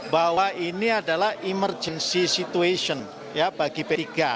bahwa ini adalah emergency situation bagi p tiga